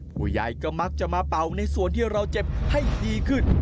ผู้ใหญ่ก็มักจะมาเป่าในส่วนที่เราเจ็บให้ดีขึ้น